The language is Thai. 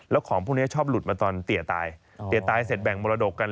แล้วของพวกนี้ชอบหลุดมาตอนเตี๋ยตายเตี๋ยตายเสร็จแบ่งมรดกกัน